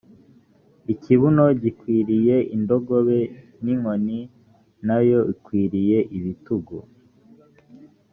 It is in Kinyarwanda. ikibuno gikwiriye indogobe n’inkoni na yo ikwiriye ibitugu